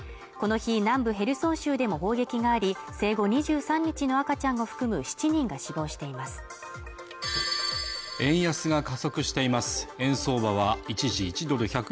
この日南部ヘルソン州でも砲撃があり生後２３日の赤ちゃんを含む７人が死亡しています颯という名の爽快緑茶！